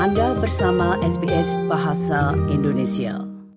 anda bersama sbs bahasa indonesia